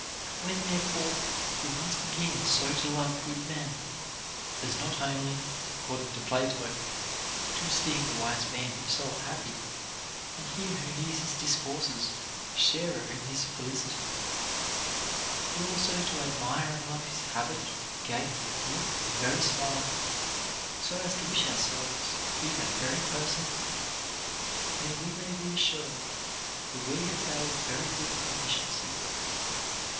15. When therefore we once begin so to love good men, as not only (according to Plato) to esteem the wise 472 OF MAX'S PROGRESS IN VIRTUE. man himself happy, and him who hears his discourses sharer in his felicity, but also to admire and love his habit, gait, look, and very smile, so as to wish ourselves to be that very person, then we may be assured that we have made very good proficiency.